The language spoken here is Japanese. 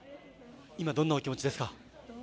今どんなお気持ちですか？